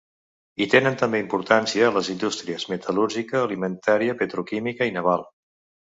Hi tenen també importància les indústries metal·lúrgica, alimentària, petroquímica i naval.